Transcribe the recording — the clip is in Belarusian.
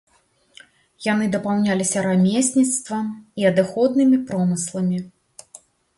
Яны дапаўняліся рамесніцтвам і адыходнымі промысламі.